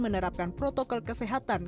menerapkan protokol kesehatan